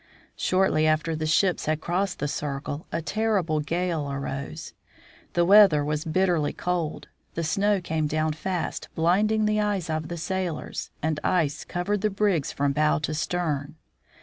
Shortly after the ships had crossed the circle, a terrible gale arose. The weather was bitterly cold, the snow came down fast, blinding the eyes of the sailors, and ice covered the brigs from bow to stern.